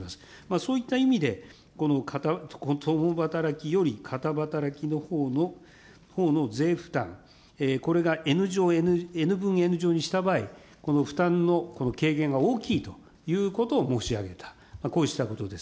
そういった意味で、この共働きより片働きのほうの税負担、これがＮ分Ｎ乗にした場合、この負担のこの軽減が大きいということを申し上げた、こうしたことです。